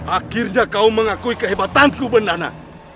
akhirnya kau mengakui kehebatanku bendana